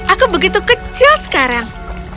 aku begitu kecil sekarang